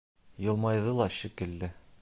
Йылмайҙы ла шикелле.